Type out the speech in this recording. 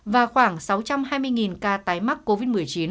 và khoảng sáu trăm hai mươi ca tái mắc covid một mươi chín